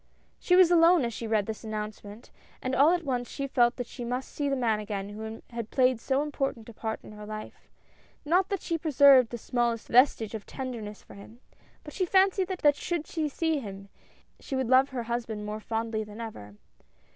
She was alone as she read this announcement, and all AT LAST. 207 at once she felt that she must see the man again who had played so important a part in her life ; not that she preserved the smallest vestige of tenderness for him, but she fancied that should she see him, she would love her husband more fondly than ever.